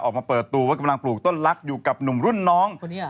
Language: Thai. ออกมาเปิดตัวว่ากำลังปลูกต้นลักษณ์อยู่กับหนุ่มรุ่นน้อง